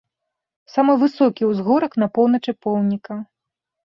Самы высокі ўзгорак на поўначы помніка.